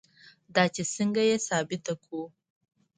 دا چې څنګه یې ثابته کړو.